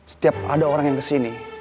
setiap ada orang yang kesini